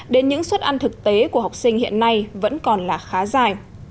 đến những suất ăn thực tế của học sinh hiện nay vẫn còn là khá dài